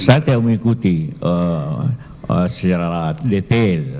saya tidak mengikuti secara detail